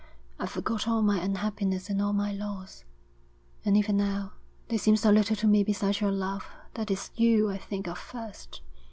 I forgot all my unhappiness and all my loss. And even now they seem so little to me beside your love that it's you I think of first.